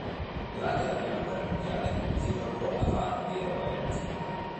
Durante la prima guerra mondiale si procurò la fama di eroe nazionale.